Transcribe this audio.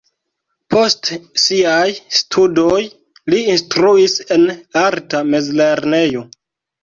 Post siaj studoj li instruis en arta mezlernejo.